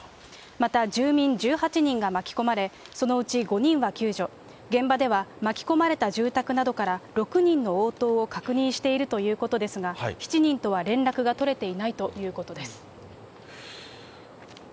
また住民１８人が巻き込まれ、そのうち５人は救助、現場では、巻き込まれた住宅などから６人の応答を確認しているということですが、７人とは連絡が取れていないということです。